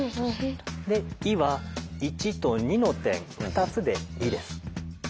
で「い」は１と２の点２つで「い」です。